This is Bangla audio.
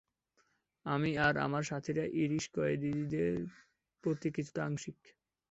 আমি আর আমার সাথীরা ইরিশ কয়েদীদের প্রতি কিছুটা আংশিক।